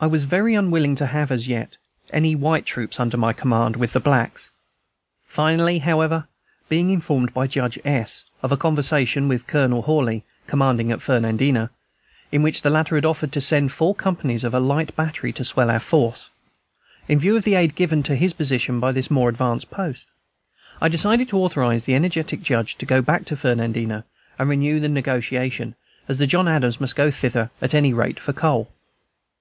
I was very unwilling to have, as yet, any white troops under my command, with the blacks. Finally, however, being informed by Judge S. of a conversation with Colonel Hawley, commanding at Fernandina, in which the latter had offered to send four companies and a light battery to swell our force, in view of the aid given to his position by this more advanced post, I decided to authorize the energetic Judge to go back to Fernandina and renew the negotiation, as the John Adams must go thither at any rate for coal.